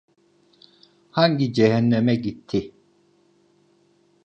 Hangi cehenneme gitti?